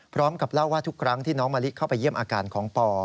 พร้อมกับเล่าว่าทุกครั้งที่น้องมะลิเข้าไปเยี่ยมอาการของปอ